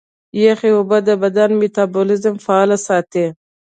یخي اوبه د بدن میتابولیزم فعاله ساتي.